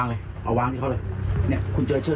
กลัวยังไงอ่ะคุณลองจับเชือก